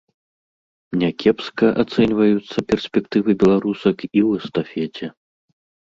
Някепска ацэньваюцца перспектывы беларусак і ў эстафеце.